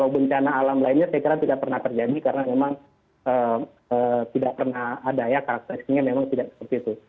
bencana alam lainnya saya kira tidak pernah terjadi karena memang tidak pernah ada ya karakteristiknya memang tidak seperti itu